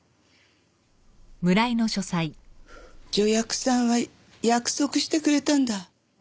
助役さんは約束してくれたんだ。